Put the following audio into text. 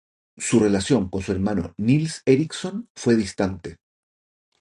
Su relación con su hermano Nils Ericson fue distante.